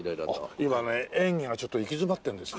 今ね演技がちょっと行き詰まってるんですよ。